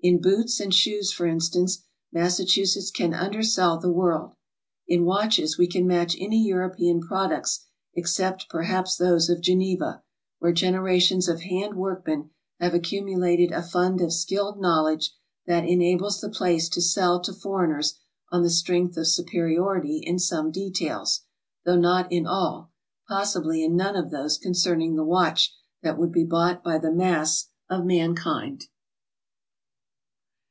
In boots and shoes, for instance, Massachusetts can undersell the world. In watches we can match any European products except perhaps those of Geneva, where generations of hand work men have accumulated a fund of skilled knowledge that enables the place to sell to foreigners on the strength of superiority in some details, though not in all, — possibly in none of those concerning the watch that would be bought by the mass of mankind.